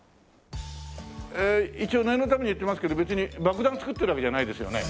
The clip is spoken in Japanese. ええ一応念のために言ってますけど別に爆弾作ってるわけじゃないですよね？